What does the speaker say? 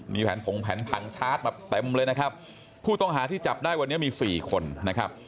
มีแผนผงแผนผังชาร์จมาเต็มเลยนะครับผู้ต้องหาที่จับได้วันนี้มีสี่คนนะครับ